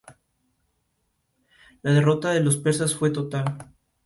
La derrota de los persas fue total.